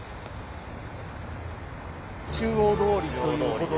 中央通りということで。